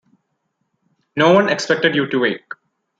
No one expected you to wake.